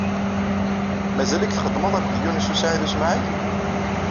Mazal-ik txeddmeḍ akked Yunes u Saɛid u Smaɛil?